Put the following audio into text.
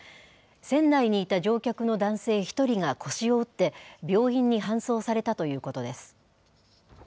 船内にいた乗客の男性１人が腰を打って、病院に搬送されたということです。